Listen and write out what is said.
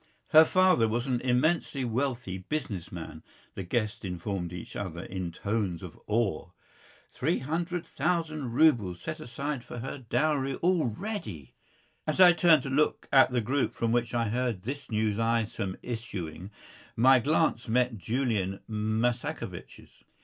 "Her father is an immensely wealthy business man," the guests informed each other in tones of awe. "Three hundred thousand rubles set aside for her dowry already." As I turned to look at the group from which I heard this news item issuing, my glance met Julian Mastakovich's.